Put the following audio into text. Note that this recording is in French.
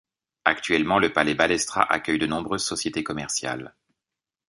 Actuellement le palais Balestra accueille de nombreuses sociétés commerciales.